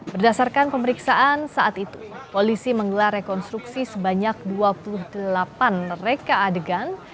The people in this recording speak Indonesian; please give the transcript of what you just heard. berdasarkan pemeriksaan saat itu polisi menggelar rekonstruksi sebanyak dua puluh delapan reka adegan